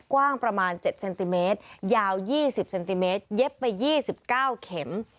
กว้างประมาณเจ็บเซนติเมตรยาวยี่สิบเซนติเมตรเย็บไปยี่สิบเก้าเข็ม